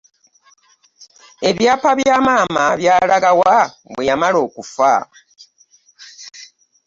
Ebyapa bya maama byalaga wa bwe yamala okufa?